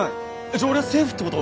じゃあ俺はセーフってこと！？